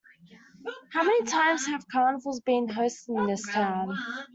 How many times have carnivals been hosted in this town?